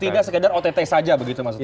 tidak sekedar ott saja begitu maksud anda